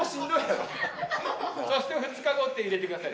そして２日後って入れてください。